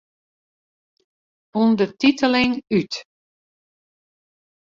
Undertiteling út.